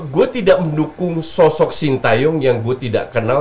gue tidak mendukung sosok sintayong yang gue tidak kenal